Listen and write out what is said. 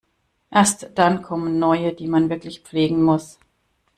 Erst dann kommen neue, die man wirklich pflegen muss.